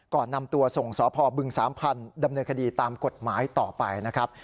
ก่อนนำตัวส่งสพบึงสามพันธ์ดำเนินคดีตามกฎหมายต่อไปนะครับ